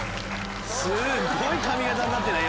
すごい髪形になってない？